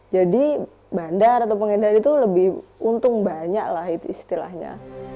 jadi bandar atau pengendalian itu lebih untung banyak lah istilahnya